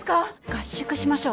合宿しましょう。